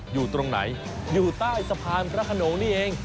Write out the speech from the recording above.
อยู่ตรงไหนอยู่ใต้สะพานพระขนงนี่เอง